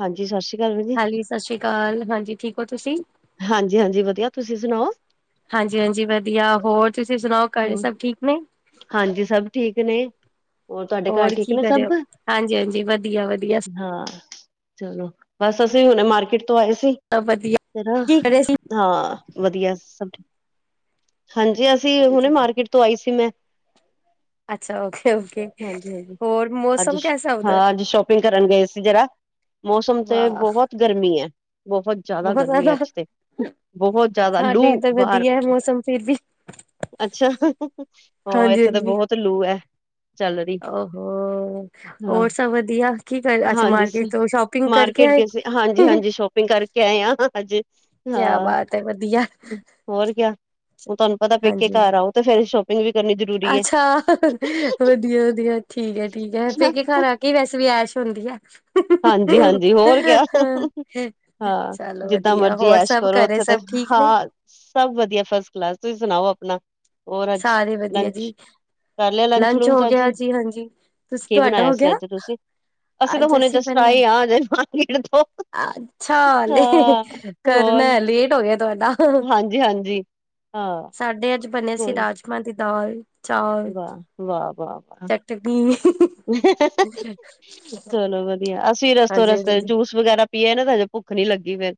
ਹਾਂਜੀ, ਸਤਿ ਸ਼੍ਰੀ ਅਕਾਲ ਵੀ ਜੀ। ਹਾਂਜੀ ਸਤਿ ਸ਼੍ਰੀ ਅਕਾਲ, ਹਾਂਜੀ ਠੀਕ ਹੋ ਤੁਸੀਂ। ਹਾਂਜੀ ਹਾਂਜੀ, ਵਧੀਆ ਤੁਸੀਂ ਸੁਣਾਓ। ਹਾਂਜੀ ਹਾਂਜੀ, ਵਧੀਆ ਹੋਰ ਤੁਸੀਂ ਸੁਣਾਓ। ਘਰੇ ਹੋਰ ਸਭ ਠੀਕ ਨੇ ਹਾਂਜੀ ਸਭ ਠੀਕ ਨੇ। ਹੋਰ ਤੁਹਾਡੇ ਘਰ ਠੀਕ ਕੀ ਨੇ ਕਰਿਓ ਸਭ ਹਾਂਜੀ ਹਾਂਜੀ ਵਧੀਆ ਵਧੀਆ ਹਾਂ। ਚਲੋ ਬਸ ਅਸੀਂ ਹੁਣੇ ਮਾਰਕੀਟ ਤੋਂ ਆਏ ਸੀ ਸਭ ਵਧੀਆ ਹਨ ਕੀ ਕਰੇ ਸੀ ਹਾਂ। ਵਧੀਆ ਸਭ ਹਾਂਜੀ, ਅਸੀਂ ਹੁਣੇ ਹਾਂਜੀ ਮਾਰਕੀਟ ਤੋਂ ਆਈ ਸੀ ਮੈਂ। ਅੱਛਾ ਓਕੇ ਓਕੇ ਹਾਂਜੀ ਹਾਂਜੀ, ਹੋਰ ਅੱਜ ਮੌਸਮ ਕੈਸਾ ਉਧਰ ਹਾਂ ਅੱਜ ਸ਼ੋਪਿੰਗ ਕਰਨ ਗਏ ਸੀ ਜਰਾ। ਮੌਸਮ ਤੇ ਵਾਹ ਬਹੁਤ ਗਰਮੀ ਹੈ। ਬਹੁਤ ਜ਼ਿਆਦਾ ਗਰਮੀ, ਅੱਜ ਤੇ ਬਹੁਤ ਜ਼ਿਆਦਾ ਲੂ ਵਾਰ। ਇਹ ਮੌਸਮ ਫਿਰ ਵੀ। ਅੱਛਾ, ਹਾਂ ਹਾਂਜੀ ਇੱਥੇ ਤਾਂ ਬਹੁਤ ਲੂ ਹੈ। ਚੱਲ ਰਹੀ ਉਹ ਹਾਂ ਹੋਰ ਸਭ ਵਧੀਆ, ਕੀ ਕਰ ਅੱਛਾ ਹਾਂਜੀ ਮਾਰਕੀਟ ਚ ਸ਼ੋਪ। ਮਾਰਕੀਟ ਗਏਸੀ ਹਾਂਜੀ ਹਾਂਜੀ, ਸ਼ੋਪਿੰਗ ਕਰਕੇ ਆਏ ਹ ਹਾਂਜੀ ਕਿਆ ਹਾਂ। ਬਾਤ ਹੈ ਵਧੀਆ ਹੋਰ ਗਿਆ ਹੁ ਤੁਹਾਨੂੰ ਪਤਾ, ਪੇਕੇ ਹਾਂਜੀ ਘਰ ਆਓ ਤੇ ਫੇਰ ਸ਼ਾਪਿੰਗ। ਵੀ ਕਰਨੀ ਜ਼ਰੂਰੀ। ਹੈ ਅੱਛਾ। ਵਧੀਆ ਵਧੀਆ ਠੀਕ ਹੈ ਠੀਕ ਹੈ, ਪੇਕੇ ਘਰ ਆ ਕੇ ਵੈਸੇ ਵੀ ਐਸ਼ ਹੁੰਦੀ ਹੈ। ਹਾਂਜੀ ਹਾਂਜੀ, ਹੋਰ ਕ ਹਾਂ ਹਾਂ ਚਲੋ ਜਿੱਦਾਂ ਵਧੀਆ ਮਰਜੀ ਹੋਰ ਐਸ਼ ਸਭ ਕਰੋ ਘਰੇ ਉੱਥੇ ਤੇ। ਸਭ ਠੀਕ ਨੇ ਹਾਂ ਸਭ ਵਧੀਆ, ਫਸਟ ਕਲਾਸ ਤੁਸੀਂ ਸੁਣਾਓ ਆਪਣਾ। ਹੋਰ ਅੱਜ ਸਾਰੇ ਵਧੀਆ ਜੀ ਲੰਚ। ਕਰ ਲਿਆ ਲੰਚ ਹੋ ਲੂਚ, ਅੱਜ ਗਿਆ ਜੀ ਹਾਂਜੀ ਤੁਸੀਂ ਕੀ ਤੁਹਾਡਾ ਬਣਾਇਆ ਹੋ ਸੀ ਗਿਆ ਅੱਜ ਤੁਸੀਂ ਅਸੀਂ ਤਾਂ ਅੱਜ ਹੁਣੇ ਜਸ। ਬਣਨਾ ਤਾਈ ਆ ਗਾਇਨੇ ਪਾਣੀ ਛਿੜਕ ਤੋਂ ਅੱਛਾ ਲੇ ਹਾਂ ਕਰਨਾ ਹੋਰ ਹੈ, ਲੇਟ ਹੋ ਗਿਆ ਤੁਆਡਾ ਹਾਂਜੀ, ਹਾਂਜੀ ਹਾਂ ਸਾਡੇ ਅੱਜ ਬਣੇ ਸੀ ਕੋਈ ਰਾਜਮਾਂ ਦੀ ਦਾਲ ਚਾਲ ਵਾਹ ਵਾਹ ਵਾਹ ਵਾਹ ਚਟ ਤੇ ਬਿਨ ਚਲੋ ਵਦੀਆ ਅਸੀਂ ਰਸਤੋ ਹਾਂਜੀ ਹਾਂਜੀ ਰਸਤੇ ਜੂਸ ਵਗੈਰਾ ਪੀਯਾ ਨਾ ਤਾਂ ਹਜੇ ਪੁੱਖ ਨੀ ਲੱਗੀ ਫੇਰ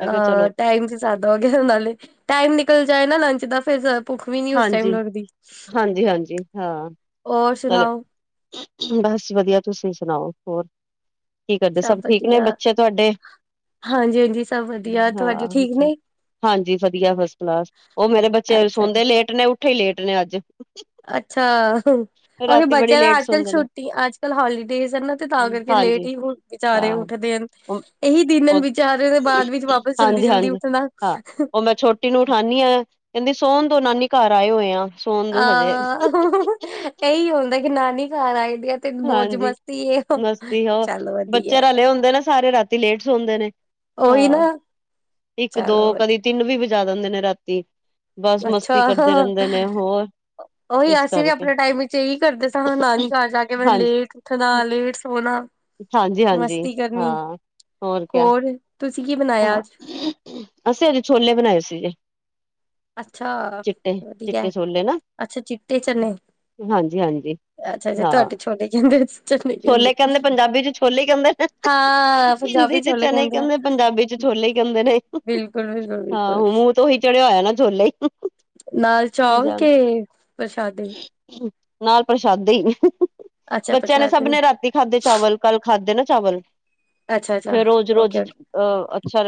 ਮੈਂ ਕਿਹਾ ਅ ਚਲੋ ਟਾਈਮ ਚ ਜ਼ਿਆਦਾ ਹੋ ਗਿਆ ਨਾਲੇ ਟਾਈਮ ਨਿਕਲ ਜਾਏ ਨਾ ਲੰਚ ਦਾ ਫੇਰ ਭੁੱਖ ਵੀ ਨੀ ਉਸ ਟਾਈਮ ਹਾਂਜੀ ਲੱਗਦੀ। ਹਾਂਜੀ, ਹਾਂਜੀ ਹਾਂ ਔਰ ਨਾਲੇ ਸੁਨਾਓ? ਬਸ ਵਧੀਆ, ਤੁਸੀਂ ਸੁਣਾਓ ਹੋਰ? ਕੀ ਕਰਦੇ, ਸਭ ਠੀਕ ਨੇ ਬੱਚੇ ਤੁਆਡੇ? ਹਾਂਜੀ-ਹਾਂਜੀ ਸਬ ਵਧੀਆ, ਤੁਆਡੇ ਹਾਂ ਠੀਕ ਅੱਛਾ ਨੇ? ਹਾਂਜੀ ਵਧੀਆ ਫਸਟ ਕਲਾਸ ਉਹ ਮੇਰੇ ਬੱਚੇ ਅੱਛਾ ਸੋਂਦੇ ਲੇਟ ਨੇ ਉੱਠੇ ਲੇਟ ਨੇ ਅੱਜ ਅੱਛਾ ਉਹੀ ਰਾਤੀ ਬੜੀ ਬੱਚਿਆਂ ਦਾ ਲੇਟ ਅੱਜ-ਕੱਲ੍ਹ ਸੌਦੇ ਨੇ ਛੁੱਟੀ ਅੱਜ-ਕੱਲ੍ਹ ਹੋਲੀਡੇਜ ਏ ਨਾ ਤੇ ਤਾਂ ਕਰਕੇ ਲੇਟ ਹਾਂਜੀ ਹੀ ਹੁਣ ਵਿਚਾਰੇ ਹਾਂ ਉੱਠਦੇ, ਇਹੀ ਦਿਨ ਹਾਂਜੀ ਵਿਚਾਰੇ ਦੇ ਬਾਦ ਵਿੱਚ ਵਾਪਸ ਜਲਦੀ ਜਲਦੀ ਹਾਂਜੀ ਉੱਠਣਾ ਹਾਂ ਔ ਮੈਂ ਛੋਟੀ ਨੂੰ ਉਠਾਨੀ ਆ ਕਹਿੰਦੀ ਸੋਣ ਦੋ ਨਾਨੀ ਘਰ ਆਏ ਹੋਏ ਆ ਸੋਣ ਦੋ ਹਜੇ ਅ, ਇਹੀ ਹੁੰਦਾ ਕਿ ਨਾਨੀ ਘਰ ਆਏ ਦੇ ਆਂ ਹਾਂਜੀ, ਮਸਤੀ ਹੋ ਚਲੋ ਬੱਚੇ ਵਧੀਆ ਰਲੇ ਹੁੰਦੇ ਨਾ ਸਾਰੇ ਰਾਤੀ ਲੇਟ ਸੋਂਦੇ ਨੇ ਉਹੀ ਹਾਂ ਨਾ ਇੱਕ ਦੋ ਚਲੋ ਕਦੀ ਤਿੰਨ ਵੀ ਵਜਾ ਦਿੰਦੇ ਨੇ ਰਾਤੀ ਬਸ ਅੱਛਾ ਮਸਤੀ ਕਰਦੇ ਰੇਂਦੇ ਨੇ ਹੋਰ ਉਹੀ ਇਸ ਅਸੀਂ ਵੀ ਕਰਕੇ ਆਪਣੇ ਟਾਈਮ ਵਿੱਚ ਇਹੀ ਕਰਦੇ ਸਾ ਨਾਨੀ ਘਰ ਜਾ ਕੇ ਕਿਵੇ ਹਾਂਜੀ ਲੇਟ ਉੱਠਨਾ ਲੇਟ ਸੋਣਾ, ਹਾਂਜੀ ਹਾਂਜੀ ਮਸਤੀ ਕਰਨੀ ਹਾਂ ਹੋਰ ਕਿਆ ਖੋਰ ਤੁਸੀਂ ਕੀ ਬਨਾਇਆ ਹਾਂ ਅੱਜ? ਅਸੀਂ ਅੱਜ ਛੋਲੇ ਬਣਾਏ ਸੀਗੇ। ਅੱਛਾ ਵਧੀਆ, ਚਿੱਟੇ ਛੋਲੇ ਨਾ ਅੱਛਾ ਚਿੱਟੇ ਚਨੇ ਹਾਂਜੀ, ਹਾਂਜੀ ਅੱਛਾ ਅੱਛਾ ਹਾਂ, ਤੁਹਾਡੇ ਛੋਲੇ ਕਹਿੰਦੇ ਚਨੇ ਕਹਿੰਦੇ ਛੋਲੇ ਕੇਂਦੇ ਪੰਜਾਬੀ ਚ ਛੋਲੇ ਈ ਕੇਂਦੇ ਨੇ ਹਾਂ ਹਿੰਦੀ ਪੰਜਾਬੀ ਚ ਛੋਲੇ ਚਨੇ ਕਹਿੰਦੇ ਆ ਕੇਂਦੇ ਪੰਜਾਬੀ ਚ ਛੋਲੇ ਈ ਕੇਂਦੇ ਨੇ, ਬਿਲਕੁਲ ਬਿਲਕੁਲ ਹਾਂ ਬਿਲਕੁਲ ਮੂੰਹ ਤੇ ਉਹੀ ਚੜਿਆ ਹੋਇਆ ਨਾ ਛੋਲੇ ਈ ਨਾਲ ਚੌਲ ਕੇ ਪ੍ਰਸ਼ਾਦੇ? ਨਾਲ ਪ੍ਰਸ਼ਾਦੇ ਈ, ਅੱਛਾ ਬੱਚਿਆਂ ਨੇ ਸਭ ਪ੍ਰਸ਼ਾਦੇ ਨੇ ਰਾਤੀ ਖਾਧੇ ਚਾਵਲ ਕੱਲ ਖਾਧੇ ਨਾ ਚਾਵਲ, ਅੱਛਾ ਅੱਛਾ ਫੇਰ ਰੋਜ਼-ਰੋਜ਼ ਓਕੇ ਓਕੇ ਅ ਅੱਛਾ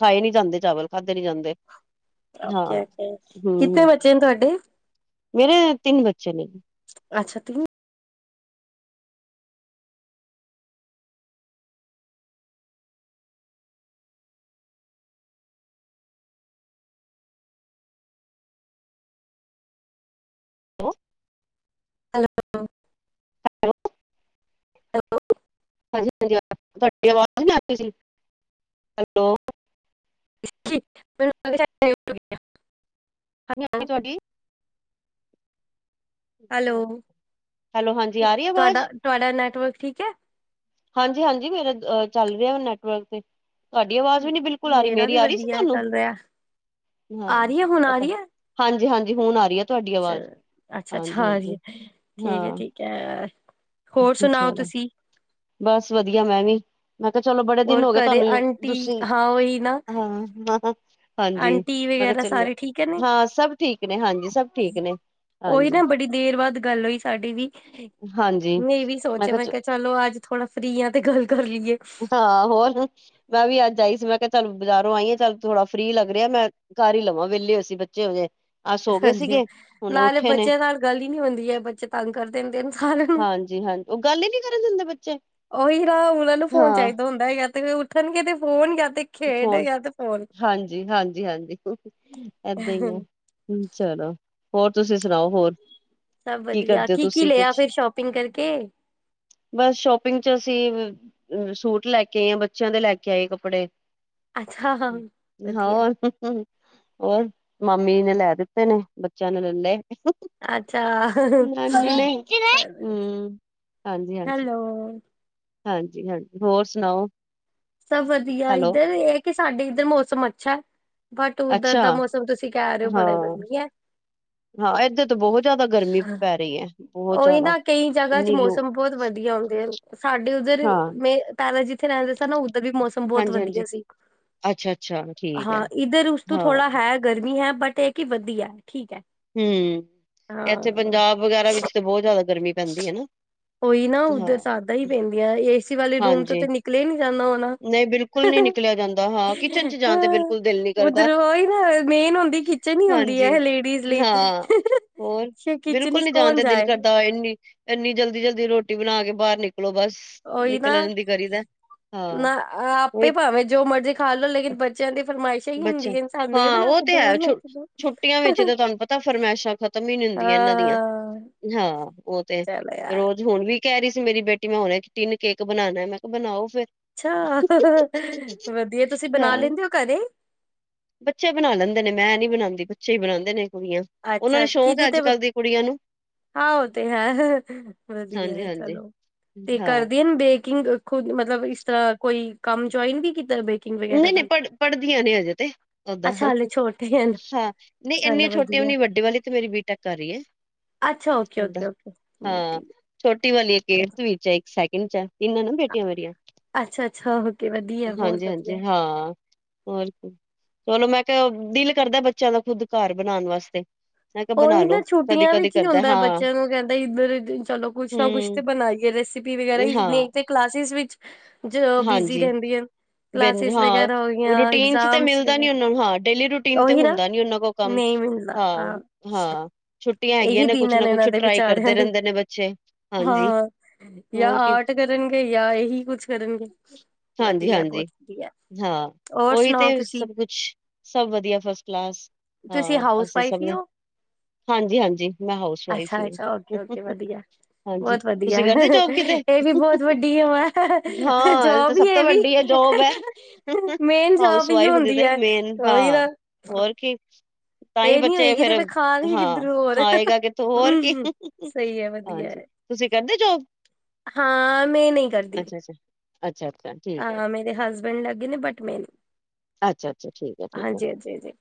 ਖਾਏ ਨੀ ਜਾਂਦੇ ਚਾਵਲ ਖਾਧੇ ਨੀ ਜਾਂਦੇ ਹਾਂ ਓਕੇ, ਹਮ ਕੀਤੇ ਹਮ ਬੱਚੇ ਨੇ ਤੁਆਡੇ? ਮੇਰੇ ਤਿੰਨ ਬੱਚੇ ਨੇ। ਅੱਛਾ, ਤਿੰ [inaudible] ਤਿੰਨ ਹੈਲੋ, ਹਾਂਜੀ-ਹਾਂਜੀ ਆ ਤੁਆਡੀ ਆਵਾਜ਼ ਨੀ ਆ ਰੀ ਸੀ, ਹੈਲੋ [inaudible] ਨੀ ਹੈਲੋ, [unintelligible] ਤੁਆਡੀ ਹੈਲੋ, ਹੈਲੋ ਹਾਂਜੀ ਆ ਰਹੀ ਆਵਾਜ਼ ਤੁਆਡਾ-ਤੁਆਡਾ ਨੈਟਵਰਕ ਠੀਕ ਏ? ਹਾਂਜੀ-ਹਾਂਜੀ ਮੇਰਾ ਅ ਚੱਲ ਰਿਆ ਨੈਟਵਰਕ ਤੇ ਤੁਆਡੀ ਆਵਾਜ਼ ਵੀ ਨੀ ਬਿਲਕੁਲ ਆ ਰੀ, ਮੇਰਾ ਮੇਰੀ ਵੀ ਆ ਰਈ ਸੀ ਵਧੀਆ ਤੁਆਨੂੰ? ਚੱਲ ਰਿਹਾ। ਆ ਰੀ ਏ, ਹੁਣ ਆ ਰੀ ਏ? ਹਾਂਜੀ, ਹਾਂਜੀ ਹੁਣ ਆ ਰੀ ਏ। ਚ ਅੱਛਾ ਅੱਛਾ ਆ ਰੀ ਐ, ਠੀਕ ਐ ਹਾਂ ਠੀਕ ਐ। ਹੋਰ ਸੁਣਾਓ ਚਲੋ ਤੁਸੀਂ? ਬਸ ਵਧੀਆ ਮੈਂ ਵੀ। ਮੈਂ ਕਿਹਾ ਚਲੋ ਬੜੇ ਦਿਨ ਹੋਰ ਹੋ ਗਏ ਘਰੇ ਤੁਹਾਂਨੂੰ ਆਂਟੀ ਤੁਸੀਂ ਹਾਂ ਉਹੀ ਨਾ ਹਾਂ। ਹਾਂਜੀ ਆਂਟੀ ਮੈਂ ਕਿਹਾ ਵਗੈਰਾ ਚਲੀ ਜਾ ਸਾਰੇ ਠੀਕ ਹੈ ਨੇ? ਹਾਂ ਸਭ ਠੀਕ ਨੇ ਹਾਂਜੀ ਸਭ ਠੀਕ ਨੇ। ਉਹੀ ਹਾਂਜੀ ਨਾ ਬੜੀ ਦੇਰ ਬਾਅਦ ਗੱਲ ਹੋਈ ਸਾਡੀ ਵੀ ਹਾਂਜੀ ਮੈਂ ਵੀ ਸੋਚਿਆ ਮੈਂ ਕਿਹਾ ਚਲੋ ਅੱਜ ਥੋੜਾ ਫ੍ਰਰੀ ਆ ਤੇ ਗੱਲ ਕਰ ਲਈਏ। ਹਾਂ ਹੋਰ ਮੈਂ ਵੀ ਅੱਜ ਆਈ ਸੀ ਮੈਂ ਕਿਹਾ ਚੱਲ ਬਾਜ਼ਾਰੋਂ ਆਈ ਆ ਚੱਲ ਥੋੜਾ ਫਰੀ ਲੱਗ ਰਿਹਾ ਮੈਂ ਕਰ ਹੀ ਲਵਾਂ ਵਿਹਲੇ ਹੋਏ ਸੀਂ ਬੱਚੇ ਹੋਗੇ। ਹਾਂਜੀ ਨਾਲੇ ਬੱਚਿਆਂ ਨਾਲ ਗੱਲ ਹੀ ਨੀ ਹੋਂਦੀ ਹੈ ਬੱਚੇ ਤੰਗ ਕਰਦੇ ਨ ਸਾਰਿਆ ਨੂੰ ਜੀ ਹਾਂਜ ਉਹ ਗੱਲ ਹੀ ਨੀ ਕਰਨ ਦਿੰਦੇ ਬੱਚੇ ਉਹੀ ਨਾ ਉਹਨਾਂ ਨੂੰ ਫੋਨ ਹਾਂ ਚਾਹੀਦਾ ਹੁੰਦਾ ਹੈਗਾ ਤੇ ਉੱਠਣਗੇ ਤੇ ਫੋਨ ਜਾਂ ਤੇ ਖੇਡ ਫੋਨ ਜਾਂ ਤੇ ਫੋਨ ਹਾਂਜੀ ਹਾਂਜੀ ਹਾਂਜੀ ਏਦਾਂ ਈ ਹੈ। ਚਲੋ ਹੋਰ ਤੁਸੀਂ ਸੁਣਾਓ ਹੋਰ। ਸਭ ਵਧੀਆ ਕਰਦੇ ਹੋ ਕੀ ਕੀ ਤੁਸੀਂ ਲਿਆ ਕੁਛ? ਫੇਰ ਸ਼ੋਪਿੰਗ ਕਰਕੇ। ਬਸ ਸ਼ੋਪਿੰਗ ਚ ਅਸੀਂ ਸੂਟ ਲੈ ਕੇ ਆਈ ਆ ਬੱਚਿਆਂ ਦੇ ਲੈ ਕੇ ਆਈ ਕੱਪੜੇ ਅੱਛਾ ਵਧੀਆ ਹੋਰ। ਹੋਰ ਮਾਮੀ ਨੇ ਲੈ ਦਿੱਤੇ ਨੇ ਬੱਚਿਆਂ ਨੇ ਲੈ ਲੇ ਅੱਛਾ ਚਲੋ। ਹੂੰ। ਹਾਂਜੀ ਹਾਂਜੀ ਹੈਲੋ। ਹਾਂਜੀ ਹਾਂਜੀ ਹੋਰ ਸੁਨਾਓ। ਸਭ ਵਧੀਆ ਇੱਧਰ ਇਹ ਕਿ ਸਾਡੇ ਇੱਧਰ ਮੌਸਮ ਅੱਛਾ। ਬਟ ਉੱਧਰ ਅੱਛਾ ਦਾ ਮੌਸਮ ਤੁਸੀਂ ਕਹਿ ਰਹੇ ਹੋ ਬੜਾ ਹਾਂ। ਵਧੀਆ। ਹਾਂ ਏਧਰ ਤੋਂ ਬਹੁਤ ਜ਼ਿਆਦਾ ਗਰਮੀ ਪੈ ਰਹੀ ਹੈ। ਬਹੁਤ ਉਹੀ ਜ਼ਿਆਦਾ ਨਾ ਕਈ ਜਗ੍ਹਾ ਚ ਇੰਨੀ ਲੂ ਮੌਸਮ ਬਹੁਤ ਵਧੀਆ ਹੁੰਦੇ ਸਾਡੇ ਉੱਧਰ ਹਾਂ ਮੇ ਪਹਿਲਾਂ ਜਿੱਥੇ ਰਹਿੰਦੇ ਸਾ ਨਾ ਉੱਧਰ ਵੀ ਮੌਸਮ ਬਹੁਤ ਹਾਂਜੀ ਵਧੀਆ ਹਾਂਜੀ ਸੀ‌। ਅੱਛਾ ਅੱਛਾ ਠੀਕ ਹੈ ਹਾਂ ਇੱਧਰ ਉਸ ਤੋਂ ਹਾਂ ਥੋੜਾ ਹੈ ਗਰਮੀ ਹੈ ਬਟ ਇਹ ਕਿ ਵਧੀਆ ਠੀਕ ਹੈ। ਹੁ ਇੱਥੇ ਹਾਂ ਪੰਜਾਬ ਵਗ਼ੈਰਾ ਵਿੱਚ ਤਾਂ ਬੋਤ ਜ਼ਿਆਦਾ ਗਰਮੀ ਪੈਂਦੀ ਹੈ ਨਾ। ਉਹੀ ਨਾ ਉੱਧਰ ਹਾਂ। ਜੈਦਾ ਹੀ ਪੈਂਦੀਆਂ ਏਸੀ ਵਾਲੇ ਰੂਮ ਤੋਂ ਹਾਂਜੀ, ਨਿਕਲੇ ਨੀ ਜਾਂਦਾ ਹੋਨਾ ਨਹੀਂ ਬਿਲਕੁਲ ਨੀ ਨਿਕਲਿਆ ਜਾਂਦਾ ਹਾਂ, ਕਿਚਨ 'ਚ ਜਾਣ ਤੇ ਹਾਂ ਬਿਲਕੁਲ ਦਿਲ ਨੀ ਕਰਦਾ। ਉੱਧਰੋਂ ੳਹੀ ਨਾ ਮੇਨ ਹੁੰਦੀ ਕਿ। ਨੀ ਹੁੰਦੀ ਹਾਂਜੀ, ਹੈ ਇਹ ਲੇਡੀਜ਼। [unintelligible] ਹਾਂ ਹੋਰ ਕਿਚਨ ਬਿਲਕੁਲ ਵਿਚ ਨੀ ਜਾਨ ਕੌਣ ਤੇ ਦਿਲ ਜਾਏ ਕਰਦਾ ਏਨੀ ਏਨੀ ਜਲਦੀ ਜਲਦੀ ਰੋਟੀ ਬਨਾ ਕੇ ਬਾਹਰ ਨਿਕਲੋ ਬਸ। ਉਹੀ ਨਾ ਨਿਕਲਣ ਦੀ ਕਰੀ ਦਾ। ਹਾਂ, ਨਾ ਆਪੇ ਉਹੀ ਭਾਵੇਂ ਜੋ ਮਰਜ਼ੀ ਖਾ ਲੋ ਲੇਕਿਨ ਬੱਚਿਆਂ ਦੀ ਫ਼ਰਮਾਇਸ਼ ਬੱਚਾ ਹਾਂ ਉਹ ਤੇ ਹੈ ਛੁ ਛੁੱਟੀਆਂ ਵਿੱਚ ਦੋ ਤਾਂ ਤੁਹਾਨੂੰ ਪਤਾ ਫਰਮਾਇਸ਼ਾਂ ਖਤਮ। ਹੀ ਨੀ ਹੁੰਦੀਆਂ ਇਹਨਾਂ ਦੀਆਂ ਹਾਂ ਹਾਂ ਉਹ ਤੇ ਚਲੋ ਯਾਰ ਰੋਜ਼ [unintelligible] ਹੁਨ ਵੀ ਕਹਿ ਰਹੀ ਸੀ ਮੇਰੀ ਬੇਟੀ ਮੈਂ ਹੁਨੇ ਤਿੰਨ ਕੇਕ ਬਨਾਨੇ ਮੈਂ ਕਿਹਾ ਬਨਾਓ ਫੇਰ ਅੱਛਾ ਵਧੀਆ ਤੁਸੀਂ ਬਨਾ ਹਾਂ ਲੈਂਦੇ ਹੋ ਘਰੇ ਬੱਚੇ ਬਨਾ ਲੈਂਦੇ ਨੇ ਮੈਂ ਨੀ ਬਨਾਂਦੀ ਬੱਚੇ ਹੀ ਬਨਾਂਦੇ ਨੇ ਕੁੜੀਆਂ ਉਹਨਾ ਅੱਛਾ ਨੂੰ ਸ਼ੌਕ ਹੈ ਕਿਹਦੇ ਤੇ ਅੱਜ ਬ- ਕੱਲ ਦੀ ਕੁੜੀਆਂ ਨੂੰ ਹਾਂ ਉਹ ਤੇ ਹੈ ਹਾਂਜੀ ਵਧੀਆ ਹਾਂਜੀ ਚਲੋ। ਤੇ ਹਾਂ ਕਰਦੇ ਹਨ ਬੇਕਿੰਗ ਖੁਦ ਮਤਲਬ ਇਸ ਤਰ੍ਹਾਂ ਕੋਈ ਕੰਮ ਜੁਆਇਨ ਵੀ ਕੀਤਾ ਬੇ ਨਹੀਂ ਨਹੀਂ ਪੜ੍ਹ ਪੜ੍ਹਦੀਆਂ ਨੇ ਹਜੇ ਤੇ ਓਦਾਂ ਅੱਛਾ ਹਾਂ ਹਾਲੇ ਛੋਟੇ ਹਨ ਨਹੀਂ ਚੱਲ ਇੰਨੀਆਂ ਛੋਟੀਆਂ ਵੀ ਵਧੀਆ ਨਈ ਵੱਡੀ ਵਾਲੀ ਤੇ ਮੇਰੀ ਬੀ ਟੇਕ ਕਰ ਰਹੀ ਹੈ ਅੱਛਾ ਓਕੇ ੳਦਾਂ ਓਕੇ ਓਕੇ ਹਾਂ ਵਧੀਆ ਛੋਟੀ ਵਾਲੀ ਵਧੀਆ। ਏਰਥ ਵਿਚ ਏ ਇੱਕ ਸੈਕਿੰਡ ਚ ਏ ਤਿੰਨ ਏ ਨਾ ਬੇਟੀਆਂ ਮੇਰੀਆਂ। ਅੱਛਾ ਅੱਛਾ ਹੋ ਵਧੀਆ ਬਹੁਤ ਹਾਂਜੀ ਵਧੀਆ। ਹਾਂਜੀ ਹਾਂ ਹੋਰ? ਚਲੋ ਮੈਂ ਕਿਹਾ ਦਿਲ ਕਰਦਾ ਬੱਚਿਆਂ ਦਾ ਖੁਦ ਘਰ ਬਨਾਣ ਵਾਸਤੇ। ਮੈਂ ਕਿਹਾ ਬਣਾ ਉਹੀ ਲੋ ਨਾ ਕਦੀ ਛੁੱਟੀਆਂ ਕਦੀ ਵਿੱਚ ਹੀ ਕਰਦਾ ਹੁੰਦਾ ਹਾਂ ਬੱਚਿਆਂ ਨੂੰ ਕਹਿੰਦਾ ਇੱਧਰ ਚਲੋ ਕੁੱਛ ਨਾ ਕੁਛ ਹਮ ਬਣਾਈਏ ਰੈਸਪੀ ਵਗੈਰਾ ਹਾਂ ਨਹੀਂ ਤੇ ਕਲਾਸਿਸ ਵਿਚ ਬਿਜ਼ੀ ਹਾਂਜੀ ਰਹਿੰਦੀ ਆ। ਬਿੰਜ ਕਲਾਸਿਸ ਹਾਂ ਵਗੈਰਾ ਹੋ ਗਈਆਂ ਰੂਟੀਨ ਚ ਤੇ ਇਗਜਾਮ। ਮਿਲਦਾ ਨੀ ਉਹਨਾਂ ਨੂੰ ਹਾਂ ਡੇਲੀ ਰੂਟੀਨ ਤੇ ਉਹੀ ਨਾ ਹੁੰਦਾ ਨੀ ਉਹਨਾਂ ਕੋਲ ਕੰਮ ਨਹੀਂ ਮਿਲਦਾ ਹਾਂ ਅਹ। ਹਾਂ ਛੁੱਟੀਆਂ ਹੈਗੀਆਂ ਇਹੀ ਦਿਨ ਕੁਛ ਨਾ ਨੇ ਕੁਛ ਇਹਨਾਂ ਦੇ ਟਰਾਈ ਵਿਚਾਰਿਆਂ ਕਰਦੇ ਦੇ ਰਹਿੰਦੇ ਨੇ ਬੱਚੇ ਹਾਂਜੀ ਹੋਰ ਕੀ ਕਰਨਗੇ ਯਾ ਇਹੀ ਕੁਝ ਕਰਨ ਵੱਡੇ ਹਾਂਜੀ ਹਾਂਜੀ ਕਿਸਾ। ਉਹੀ ਤੇ ਕੁਛ ਸਭ ਵਧੀਆ ਫਸਟ ਕਲਾਸ। ਤੁਸੀਂ ਹਾਂਜੀ ਹਾਊਸ ਹਾਂਜੀ ਵਾਈਫ ਹੀ ਸਵੇਰੇ ਹੋ ਦਵਾਂਗੇ [unintelligible] ਮੈਂ ਹਾਊਸ ਵਾਈਫ ਅੱਛਾ ਹੀ। ਅੱਛਾ ਓਕੇ ਓਕੇ ਵਧੀਆ ਹਾਂਜੀ ਬਹੁਤ ਵਧੀਆ ਤੁਸੀਂ ਕਰਦੇ ਜੋਬ ਕਿਤੇ? ਇਹ ਵੀ ਬਹੁਤ ਵੱਡੀ ਹੈ ਹਾਂ ਤੇ ਜੋਬ ਹੀ ਸਭ ਤੋਂ ਇਹ ਵੀ ਵੱਡੀ ਹ ਜੋਬ ਹ ਮੇਨ ਜੋਬ ਹਾਊਸ ਹੀ ਵਾਈਫ ਦੇ। ਹੁੰਦੀ ਹੈ ਉਹੀ ਨਾ ਹੋਰ ਕੀ। ਤਾਂ ਹੀ ਇਹ ਨੀ ਬੱਚੇ ਹੋਏਗੀ ਫਿਰ ਤੇ ਖਾਣਗੇ ਹਾਂ ਕਿੱਧਰੋਂ ਹੋਰ ਆਏਗਾ ਕਿੱਥੋਂ ਹੋਰ। ਹਮ ਸਹੀ ਹੈ ਵਧੀਆ ਹੈ ਤੁਸੀਂ ਕਹਿੰਦੇ ਜੋਬ? ਹਾਂ ਮੈਂ ਨਹੀਂ ਕਰਦੀ। ਅੱਛਾ ਅੱਛਾ ਅੱਛਾ ਅੱਛਾੀ। ਮੇਰੇ ਹਸਬੈਂਡ ਲੱਗੇ ਨੇ ਬਟ ਮੇਨ ਨੀ। ਅੱਛਾ ਅੱਛਾ ਠੀਕ ਹ ਹਾਂਜੀ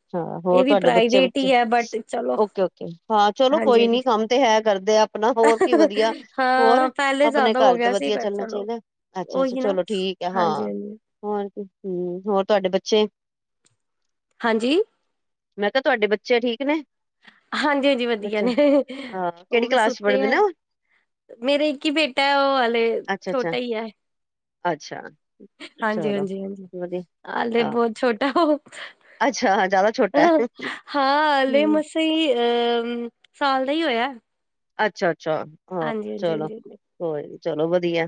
ਇਹ ਵੀ ਬਹੁਤ। ਤੇ ਬੱਚੇ ਪ੍ਰਾਈਵੇਟ ਹੀ ਹੈ ਬਟ ਚਲੋ ਓਕੇ ਓਕੇ ਹਾਂ ਚਲੋ ਹਾਂਜੀ ਕੋਈ ਨਹੀਂ ਹਾਂਜੀ ਕੰਮ ਤੇ ਹੈ ਕਰਦੇ ਆ ਨਾ ਹੋਰ ਕੀ ਵਧੀਆ ਹੋਰ ਹਾਂ ਪਹਿਲੇ ਆਪਣੇ ਜ਼ਿਆਦਾ ਹੋ ਘਰ ਤੋਂ ਗਿਆ ਸੀ ਵਧੀਆ ਪਰ ਚੱਲਣਾ ਚਲੋ ਚਾਹੀਦਾ। ਅੱਛਾ ਅੱਛਾ ਉਹੀ ਨਾ ਚਲੋ ਠੀਕ ਆ ਹਾਂਜੀ ਹਾਂ ਹਾਂਜੀ ਹੋਰ ਤੁਹਾਡੇ ਬੱਚੇ? ਹਾਂਜੀ? ਮੈਂ ਕਿਹਾ ਤੁਹਾਡੇ ਬੱਚੇ ਠੀਕ ਨੇ? ਹਾਂਜੀ ਹਾਂਜੀ ਵਧੀਆ ਬੱਚੇ ਨੇ ਹਾਂ ਉਹ ਕਿਹੜੀ ਵੀ ਕਲਾਸ ਚ ਸੁੱਤੇ ਪੜ੍ਹਦੇ ਆ। ਨੇ ਉਹ ਮੇਰੇ ਕੀ ਬੇਟਾ ਉਹ ਵਾਲੇ ਅੱਛਾ ਅੱਛਾ ਛੋਟਾ ਹੀ ਹ। ਅੱਛਾ। ਹਾਂਜੀ ਚਲੋ ਵਧੀਆ ਹਾਂਜੀ ਹਾਂ ਬਹੁਤ ਛੋਟਾ ਓਹੋ। ਅੱਛਾ ਹਾਂ ਜ਼ਿਆਦਾ ਅ ਛੋਟਾ ਹੈ ਹਾਂ ਅਲੇ ਹਮ ਮਸ ਤੇ ਸਾਲ ਦਾ ਹੀ ਹੋਇਆ। ਅੱਛਾ ਅੱਛਾ। ਹਾਂ ਹਾਂਜੀ ਹਾਂਜੀ ਚਲੋ ਹਾਂਜੀ ਹਾਂ। ਚਲੋ ਵਧੀਆ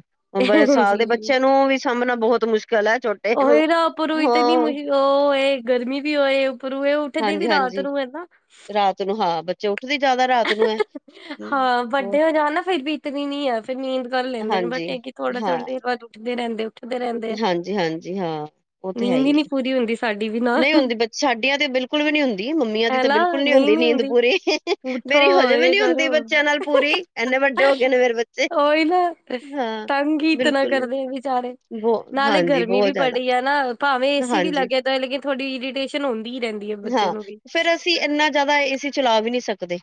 ਸਾਲ ਜੀ ਦੇ ਜੀ ਬੱਚੇ ਨੂੰ ਵੀ ਸਾਂਭਣਾ ਬਹੁਤ ਮੁਸ਼ਕਿਲ ਹ ਓਏ ਨਾ ਉੱਪਰੋ ਇਤਨੀ ਗਰਮੀ ਵੀ ਹੋਏ। ਉੱਪਰੋਂ ਇਹ ਉੱਠਦੇ ਹਾਂਜੀ ਵੀ ਰਾਤ ਹਾਂਜੀ ਨੂੰ ਹੈ ਨਾ ਰਾਤ ਨੂੰ ਹਾ ਬੱਚਾ ਤੁਸੀਂ ਜਿਆਦਾ ਰਾਤ ਨੂੰ ਹੈ। ਹਮ, ਹਾਂ ਹੋਰ ਵੱਡੇ ਹੋ ਜਾਓ ਨਾ ਫਿਰ ਬੀਤਦੀ ਨਹੀਂ ਹ ਫਿਰ ਨੀਂਦ ਕਰ ਲੈਂਦੇ ਨੇ ਬਟ ਹਾਂਜੀ ਇਹ ਕੀ ਥੋੜਾ ਥੋੜਾ ਹਾਂ ਰਹਿੰਦੇ ਉੱਠਦੇ ਰਹਿੰਦੇ ਆ ਹਾਂਜੀ ਹਾਂਜੀ ਹਾਂ ਉਹ ਤੇ ਹੈ ਨੀਂਦ ਹੀ ਵੀ ਨਹੀਂ ਹੈ ਪੂਰੀ ਹੁੰਦੀ ਸਾਡੀ ਵੀ ਨਾਲ ਨਹੀਂ ਹੁੰਦੀ ਸਾਡੀਆਂ ਤੇ ਬਿਲਕੁਲ ਵੀ ਨਹੀਂ ਹੁੰਦੀ ਮਮੀਆਂ ਦੀ ਹੈ ਤਾਂ ਨਾ ਬਿਲਕੁਲ ਨਹੀਂ ਹੁੰਦੀ ਨੀ ਨੀਂਦ ਪੂਰੀ। ਮੇਰੀ ਹਜੇ ਵੀ ਨਹੀਂ ਹੁੰਦੀ ਬੱਚਿਆਂ ਨਾਲ ਪੂਰੀ ਇੰਨੇ ਵੱਡੇ ਹੋ ਗਏ ਨੇ ਮੇਰੇ ਬੱਚੇ। ਹਾਂ ਤਰੰਗੀਤ ਨਾ ਬਿਲਕੁਲ ਕਰਦੇ ਵਿਚਾਰੇ। ਬਹੁ ਨਾਲੇ ਹਾਂਜੀ ਗਰਮੀ ਵੀ ਬਹੁਤ ਜ਼ਿਆਦਾ ਪੜੀ ਹ ਨਾ ਭਾਵੇਂ ਏਸੀ ਵੀ ਹਾਂਜੀ ਲੱਗੇ ਹੋਏ ਲੱਗੇ ਤੁਹਾਡੀ ਈਡੀਟੇਸ਼ਨ ਹੁੰਦੀ ਰਹਿੰਦੀ ਹੈ ਬੱਚੇ ਨੂੰ ਵੀ ਫਿਰ ਅਸੀਂ ਇੰਨਾ ਜਿਆਦਾ ਏਸੀ ਚਲਾ ਵੀ ਨਹੀਂ ਸਕਦੇ।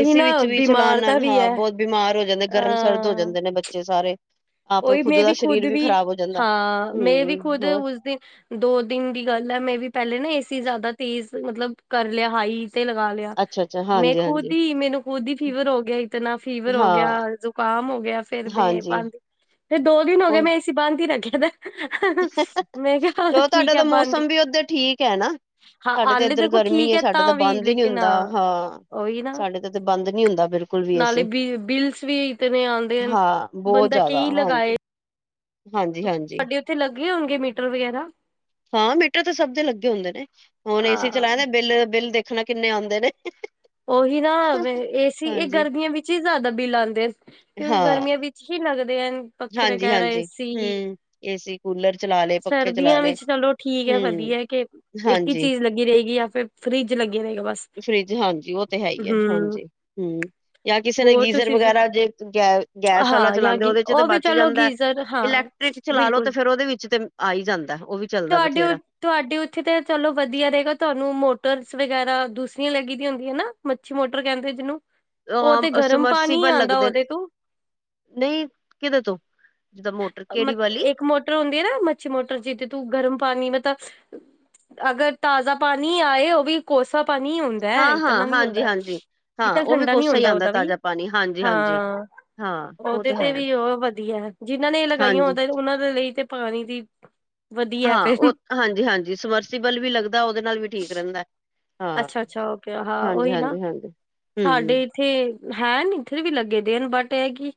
ਇਸ ਨਾ ਵਿੱਚ ਵੀ ਚਲਾਨ ਬਿਮਾਰ ਦਾ ਨਾਲ ਵੀ ਹੈ ਬਹੁਤ ਬਿਮਾਰ ਹੋ ਜਾਂਦੇ ਕਰਮ ਸ਼ਰਤ ਹੋ ਜਾਂਦੇ ਨੇ ਬੱਚੇ ਸਾਰੇ। ਆਪ ਕੋਈ ਮੇ ਦਾ ਬੀ ਖੁਦ ਸਰੀਰ ਵੀ ਖ਼ਰਾਬ ਹੋ ਜਾਂਦਾ ਹਾਂ ਮੈਂ ਵੀ ਹਮ ਖੁਦ ਹੋਰ ਉਸਦੇ ਦੋ ਦਿਨ ਦੀ ਗੱਲ ਹ ਮੈਂ ਵੀ ਪਹਿਲੇ ਨਾ ਏਸੀ ਜਿਆਦਾ ਤੇਜ਼ ਮਤਲਬ ਕਰ ਲਿਆ ਹਾਈ ਤੇ ਲਗਾ ਲਿਆ ਅੱਛਾ ਅੱਛਾ। ਮੈਂ ਹਾਂਜੀ ਖੁਦ ਹਾਂਜੀ ਹੀ ਮੈਨੂੰ ਖੁਦ ਹੀ ਫੀਵਰ ਹੋ ਗਿਆ ਇਤਨਾ ਫੀਵਰ ਹੋ ਹਾਂ ਗਿਆ ਜੁਕਾਮ ਹੋ ਗਿਆ ਫਿਰ ਮੈਂ ਹਾਂਜੀ ਤੇ ਦੋ ਦਿਨ ਹੋ ਗਏ ਉਹ ਮੈਂ ਏਸੀ ਬੰਦ ਰੱਖਿਆ ਦਾ ਹੈ। ਚਲੋ ਠੀਕ ਤੁਹਾਡਾ ਹੈ ਤਾਂ ਬੰਦ ਹੀ ਮੌਸਮ ਵੀ ਉਧਰ ਠੀਕ ਹੈ ਨਾ ਹਾਂ ਸਾਡੇ ਹਾਲੇ ਇਧਰ ਦੇਖੋ ਠੀਕ ਗਰਮੀ ਹੈ ਸਾਡਾ ਤਾਂ ਵੀ ਬੰਦ ਹੀ ਨਹੀਂ ਲੇਕਿਨ ਹੁੰਦਾ ਹਾਂ ਉਹੀ ਨਾ ਸਾਡੇ ਤੇ ਤਾ ਬੰਦ ਨਹੀਂ ਹੁੰਦਾ ਬਿ ਬਿਲਕੁਲ ਨਾਲੇ ਅਸੀਂ ਬਿ ਬਿਲਸ ਵੀ ਇਤਨੇ ਆਉਂਦੇ ਹਨ ਹਾਂ ਬਹੁਤ ਬੰਦਾ ਜਿਆਦਾ ਕਈ ਹਾਂਜੀ ਲਗਾਏ ਹਾਂਜੀ ਹਾਂਜੀ ਇਥੇ ਲੱਗੇ ਹੋਗੇ ਮੀਟਰ ਵਗੈਰਾ ਹਾਂ ਮੀਟਰ ਤਾਂ ਸਭ ਦੇ ਲੱਗੇ ਹੁੰਦੇ ਨੇ ਹੁਣ ਏਸੀ ਚਲਾਇਆ ਹਾਂ ਏ ਬਿੱਲ ਬਿੱਲ ਦੇਖਣਾ ਕਿੰਨੇ ਆਉਂਦੇ ਨੇ ਉਹੀ ਨਾ ਏਸੀ ਇਹ ਹਾਂਜੀ ਗਰਮੀਆਂ ਵਿੱਚ ਹੀ ਜ਼ਿਆਦਾ ਬਿੱਲ ਆਉਂਦੇ ਕਿਉਂਕਿ ਹਾਂ ਗਰਮੀਆਂ ਵੀ ਹੀ ਲੱਗਦੇ ਹਨ ਪੱਖੇ ਹਾਂਜੀ ਵਗੈਰਾ ਹਾਂਜੀ ਏਸੀ ਹਮ ਏਸੀ ਕੂਲਰ ਚਲਾ ਲਏ ਪੱਖੇ ਚਲਾ ਸਰਦੀਆਂ ਲਏ ਵਿੱਚ ਚਲੋ ਠੀਕ ਹੈ ਹਮ ਵਧੀਆ ਕਿ ਇੱਕ ਹੀ ਹਾਂਜੀ ਚੀਜ਼ ਲੱਗੀ ਰਹੇਗੀ ਜਾਂ ਫਿਰ ਫਰਿਜ ਲੱਗੀ ਰਹੇਗਾ ਬਸ ਫਰਿਜ ਹਾਂਜੀ ਉਹ ਤੇ ਹੈ ਹੀ ਹੈ ਹਮ ਹਾਂਜੀ ਹੂੰ ਜਾਂ ਕਿਸੇ ਨੇ ਹੋਰ ਗੀਜ਼ਰ ਤੁਸੀਂ ਵਗੈਰਾ [unintelligible] ਗੈਸ ਵਾਲਾ ਹਾਂ ਜਾਂ ਚਲਾਉਂਦੇ ਗੀ ਉਹਦੇ ਚ ਤਾਂ ਉਹ ਵੀ ਬਚ ਚਲੋ ਜਾਂਦਾ ਗੀਜ਼ਰ ਹਾਂ ਇਲੈਕਟ੍ਰਿਕ ਚਲਾ ਲੋ ਤੇ ਬਿਲਕੁਲ ਫਿਰ ਉਹਦੇ ਵਿੱਚ ਤੇ ਆ ਹੀ ਜਾਂਦਾ ਉਹ ਵੀ ਚੱਲਦਾ ਤੁਹਾਡੇ ਬਥੇਰਾ ਤੁਹਾਡੇ ਉੱਥੇ ਤਾਂ ਚਲੋ ਵਧੀਆ ਰਹੇਗਾ ਤੁਹਾਨੂੰ ਮੋਟਰਸ ਵਗੈਰਾ ਦੂਸਰੀਆਂ ਲੱਗੀ ਦੀਆਂ ਹੁੰਦੀਆਂ ਨਾ ਮੱਛੀ ਮੋਟਰ ਕਹਿੰਦੇ ਜਿਹਨੂੰ ਉਹ ਤੇ ਗਰਮ ਪਾਣੀ ਸਮਰਸੀਬਲ ਆਉਂਦਾ ਲੱਗਦੇ ਨੇ ਉਹਦੇ ਤੋਂ ਨਹੀਂ ਕਿਦੇ ਤੋਂ ਜਿੱਦਾਂ ਮੋਟਰ ਕਿਹੜੀ ਵਾਲੀ ਇੱਕ ਮੋਟਰ ਹੁੰਦੀ ਹੈ ਨਾ ਮੱਛੀ ਮੋਟਰ ਜਿਹਦੇ ਤੂੰ ਗਰਮ ਪਾਣੀ ਤਾਂ ਅਗਰ ਤਾਜ਼ਾ ਪਾਣੀ ਆਏ ਉਹ ਵੀ ਕੋਸਾ ਪਾਣੀ ਹੁੰਦਾ ਇਤਨਾ ਹਾਂ-ਹਾਂ, ਨੀ ਆਉਂਦਾ ਹਾਂਜੀ-ਹਾਂਜੀ। ਹਾਂ ਇਨਾਂ ਉਹ ਵੀ ਠੰਡਾ ਨੀ ਕੋਸਾ ਹੀ ਹੁੰਦਾ ਆਂਦਾ ਉਦਾਂ ਵੀ ਤਾਜ਼ਾ ਪਾਣੀ ਹਾਂਜੀ-ਹਾਂਜੀ ਹਾਂ। ਹਾਂ ਉਹ ਉਹਦੇ ਤੇ ਹੈ ਵੀ ਉਹ ਵਧੀਆ ਜਿਹਨਾਂ ਨੇ ਲਗਾਈਆਂ ਹਾਂਜੀ। ਉਹਦੇ ਉਹਨਾਂ ਦੇ ਲਈ ਤੇ ਪਾਣੀ ਦੀ ਵਧੀਆ ਹੈ ਹਾਂ ਫਿਰ ਉਹ ਹਾਂਜੀ ਹਾਂਜੀ ਸਵਰਸੀਬਲ ਵੀ ਲੱਗਦਾ ਉਹਦੇ ਨਾਲ ਵੀ ਠੀਕ ਰਹਿੰਦਾ ਹਾਂ। ਅੱਛਾ ਅੱਛਾ ਹਾਂ ਓਹੀ ਨਾ ਹਾਂਜੀ-ਹਾਂਜੀ-ਹਾਂਜੀ ਸਾਡੇ ਹੂੰ-ਹੂੰ ਇੱਥੇ ਹੈ ਨੀ ਇੱਥੇ ਵੀ ਲੱਗੇ ਦੇ ਹਨ ਬਟ ਇਹ ਕਿ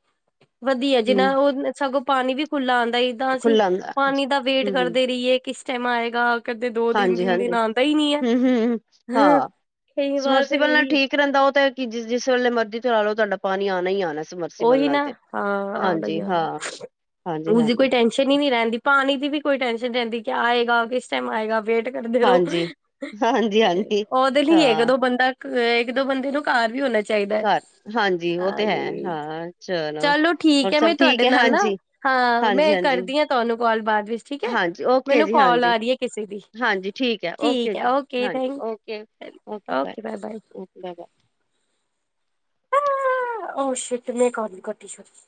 ਵਧੀਆ ਜਿਨਾ ਉਹ ਸਗੋਂ ਪਾਣੀ ਵੀ ਖੁੱਲਾ ਆਉਂਦਾ ਇਦਾਂ ਅਸੀਂ ਖੁੱਲਾ ਆਂਦਾ ਪਾਣੀ ਦਾ ਵੇਟ ਹੂੰ-ਹੂੰ ਕਰਦੇ ਰਹੀਏ ਕਿਸ ਟਾਈਮ ਆਏਗਾ ਕਦੇ ਦੋ ਦਿਨ ਤਿੰਨ ਦਿਨ ਹਾਂਜੀ-ਹਾਂਜੀ ਆਉਂਦਾ ਹੀ ਨਹੀਂ ਹੈ ਹੂੰ-ਹੂੰ ਹੈ ਕਈ ਵਾਰ ਫਿਰ ਇਹੀ ਜਿੱਥੇ ਰਹਿੰਦਾ ਉਹ ਤਾਂ ਕਿ ਜਿਸ ਜਿਸ ਵੇਲੇ ਮਰਜ਼ੀ ਚਲਾ ਲਓ ਤੁਹਾਡਾ ਪਾਣੀ ਆਉਣਾ ਹੀ ਆਉਣਾ ਉਹੀ ਨਾ ਹਾਂ ਆਉਣਾ ਆਉਣਾ ਹਾਂ ਉਸਦੀ ਕੋਈ ਹਾਂਜੀ-ਹਾਂਜੀ, ਟੈਨਸ਼ਨ ਹੀ ਨਹੀਂ ਰਹਿੰਦੀ ਪਾਣੀ ਦੀ ਵੀ ਕੋਈ ਟੈਨਸ਼ਨ ਰਹਿੰਦੀ ਕਿ ਆਏਗਾ ਕਿਸ ਟਾਈਮ ਆਏਗਾ ਵੇਟ ਕਰਦੇ ਰਹੋ ਹਾਂਜੀ। ਤੇ ਹਾਂਜੀ-ਹਾਂਜੀ ਉਹਦੇ ਲਈ ਹੀ ਹੈ ਇਕ ਹਾਂ ਦੋ ਬੰਦਾ ਇੱਕ ਦੋ ਬੰਦੇ ਨੂੰ ਘਰ ਵੀ ਹੋਣਾ ਚਾਹੀਦਾ ਹੈ ਘਰ ਹਾਂਜੀ ਉਹ ਤੇ ਹੈ ਹਾਂਜੀ ਹਾਂ ਚਲੋ ਹੋਰ ਠੀਕ ਹੈ ਮੈਂ ਸਭ ਠੀਕ ਤੁਹਾਡੇ ਹੈ ਨਾਲ ਨਾ ਹਾਂਜੀ ਹਾਂ ਹਾਂਜੀ ਮੈਂ ਹਾਂਜੀ ਕਰਦੀ ਹਾਂ ਤੁਹਾਨੂੰ ਕੋਲ ਬਾਅਦ ਵਿੱਚ ਠੀਕ ਹੈ। ਹਾਂਜੀ ਓਕੇ ਮੈਨੂੰ ਜੀ ਕੋਲ ਹਾਂਜੀ ਆ ਰਹੀ ਹੈ ਕਿਸੇ ਦੀ ਹਾਂਜੀ ਹੈ ਠੀਕ ਹੈ ਜੀ ਓਕੇ ਹਾਂਜੀ thank okay okay bye bye [unintelligible] ਉਹ ਛੱਟ ਮੈਂ [unintelligible]